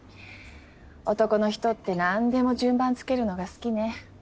男の人って何でも順番つけるのが好きね。